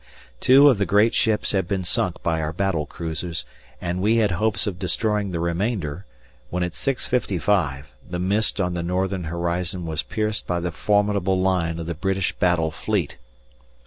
[Footnote 1: This is 4.30 G.M.T. Etienne] Two of the great ships had been sunk by our battle cruisers, and we had hopes of destroying the remainder, when at 6.55 the mist on the northern horizon was pierced by the formidable line of the British Battle Fleet.